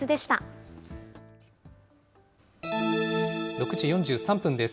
６時４３分です。